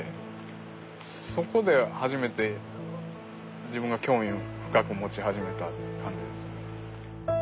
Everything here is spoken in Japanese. そこで初めて自分が興味深く持ち始めた感じですね。